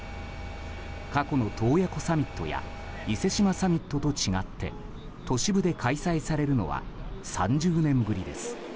過去の洞爺湖サミットや伊勢志摩サミットと違って都市部で開催されるのは３０年ぶりです。